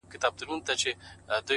اوس خو رڼاگاني كيسې نه كوي،